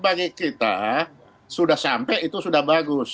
bagi kita sudah sampai itu sudah bagus